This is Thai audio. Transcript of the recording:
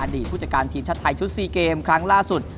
ผู้จัดการทีมชาติไทยชุด๔เกมครั้งล่าสุด